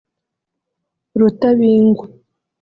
Rutabingwa